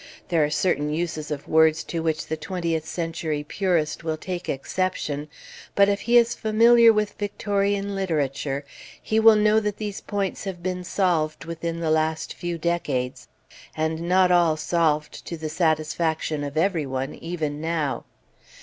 There are certain uses of words to which the twentieth century purist will take exception; but if he is familiar with Victorian literature he will know that these points have been solved within the last few decades and not all solved to the satisfaction of everyone, even now.